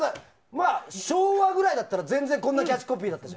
昭和ぐらいだったら、全然こんなキャッチコピーだった。